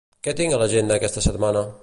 Què tinc a l'agenda aquesta setmana?